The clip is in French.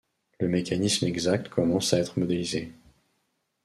Le mécanisme exact commence à être modélisé.